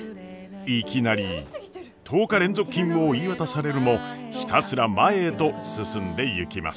いきなり１０日連続勤務を言い渡されるもひたすら前へと進んでいきます。